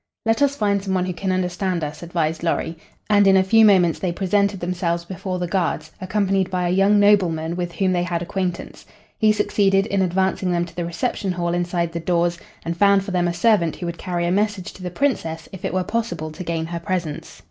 "Let us find some one who can understand us," advised Lorry, and in a few moments they presented themselves before the guards, accompanied by a young nobleman with whom they had acquaintance. He succeeded in advancing them to the reception hall inside the doors and found for them a servant who would carry a message to the Princess if it were possible to gain her presence.